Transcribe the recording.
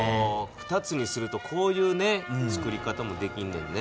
２つにするとこういう作り方もできんねんね。